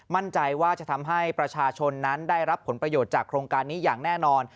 มั่นใจว่าจะทำให้ประชาชนนั้นได้รับผลประโยชน์จากโครงการนี้อย่างแน่นอน